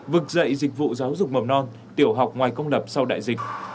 vực dậy dịch vụ giáo dục mầm non tiểu học ngoài công lập sau đại dịch